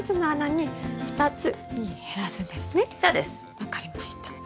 分かりました。